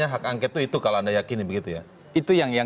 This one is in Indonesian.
jadi suaranya hak angket itu kalau anda yakin begitu ya